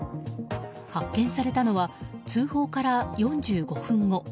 発見されたのは通報から４５分後。